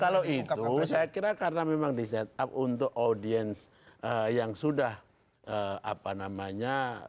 kalau itu saya kira karena memang di set up untuk audiens yang sudah apa namanya